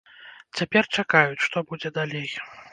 Цяпер чакаюць, што будзе далей.